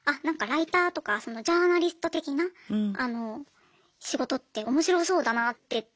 なんかライターとかそのジャーナリスト的なあの仕事って面白そうだなって。